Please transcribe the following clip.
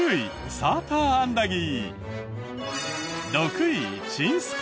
サーターアンダギー。